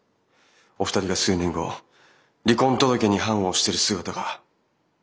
お二人が数年後離婚届に判を押している姿が。